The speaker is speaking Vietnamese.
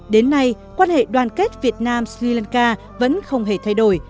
đến nay quan hệ đoàn kết việt nam sri lanka vẫn không hề thay đổi